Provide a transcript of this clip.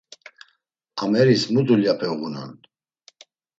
Ameris mu dulyape uğunan?